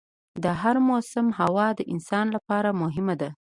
د هر موسم هوا د انسان لپاره مهم ده.